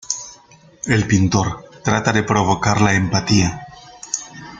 El pintor trata de provocar la empatía.